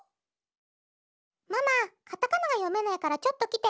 ママカタカナがよめないからちょっときて。